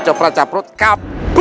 joprat caprut kabur